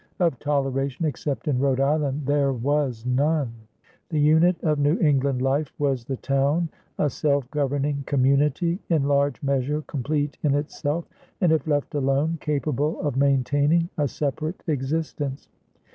Of toleration, except in Rhode Island, there was none. The unit of New England life was the town, a self governing community, in large measure complete in itself, and if left alone capable of maintaining a separate existence.